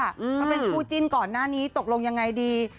ถ้าเป็นคู่จิ้นก่อนหน้านี้ตกลงยังไงดี